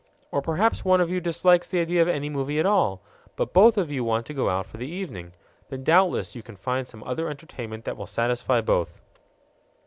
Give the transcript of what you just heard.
Or perhaps one of you dislikes the idea of any movie at all, but both of you want to go out for the evening; then doubtless you can find some other entertainment that will satisfy both.